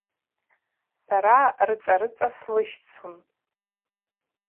Сара рыцӏа-рыцӏа слыщцун.